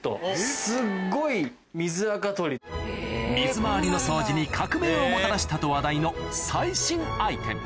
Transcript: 水回りの掃除に革命をもたらしたと話題の最新アイテム